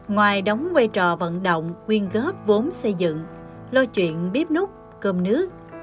ngoài đóng quay trò vận động nguyên góp vốn xây dựng lo chuyện bếp nút cơm nước